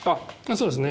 そうですね。